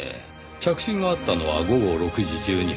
着信があったのは午後６時１２分。